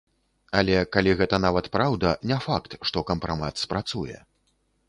Але, калі гэта нават праўда, не факт, што кампрамат спрацуе.